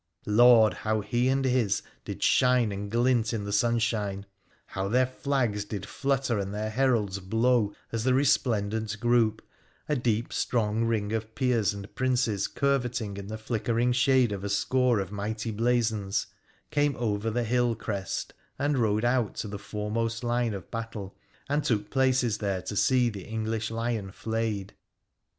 Lord ! how he and his did shine and glint in the sunshine ! How their flags did flutter and 202 WONDERFUL ADVENTURES OF their heralds blow as the resplendent group — a deep, strong ring of peers and princes curveting in the flickering shade of a score of mighty blazons — came over the hill crest and rode out to the foremost line of battle and took places there to see the English lion flayed.